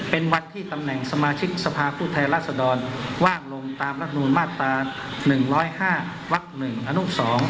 เป็นวัดที่ตำแหน่งสมาชิกสภาพผู้แทนรัศดรว่างลงตามรัฐมนูลมาตรา๑๐๕วัก๑อนุ๒